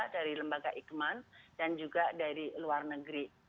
dari lembaga ikeman dan juga dari luar negara